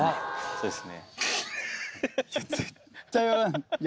そうですね。